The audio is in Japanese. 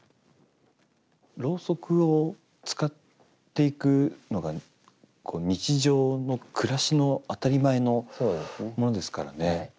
ろうそくを使っていくのが日常の暮らしの当たり前のものですからね。